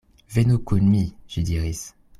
Venu kun mi, ŝi diris.